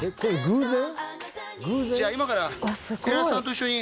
偶然？」